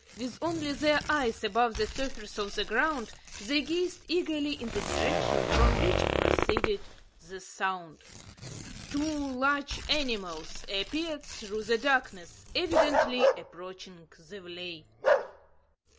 With only their eyes above the surface of the ground, they gazed eagerly in the direction from which proceeded the sound. Two large animals appeared through the darkness, evidently approaching the vley.